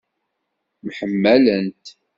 Mḥemmalent.